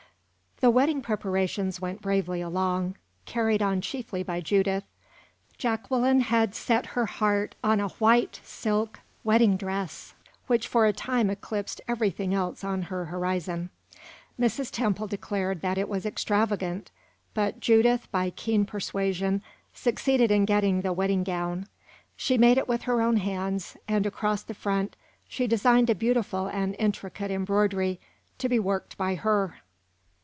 The wedding preparations went bravely along; carried on chiefly by Judith. Jacqueline had set her heart on a white silk wedding dress, which for a time eclipsed everything else on her horizon. Mrs. Temple declared that it was extravagant, but Judith, by keen persuasion, succeeded in getting the wedding gown. She made it with her own hands, and across the front she designed a beautiful and intricate embroidery, to be worked by her.